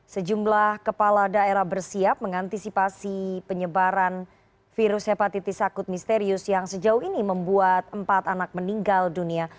sejumlah kepala daerah bersiap mengantisipasi penyebaran virus hepatitis akut misterius yang sejauh ini membuat empat anak meninggal dunia